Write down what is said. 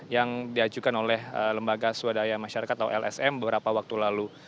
yang diajukan oleh lembaga swadaya masyarakat atau lsm beberapa waktu lalu